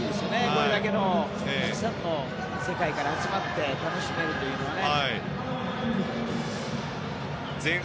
これだけたくさんの世界から集まって楽しめるというのがね。